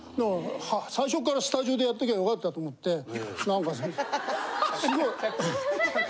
最初っからスタジオでやっときゃよかったと思って何かすごい。ハハハ。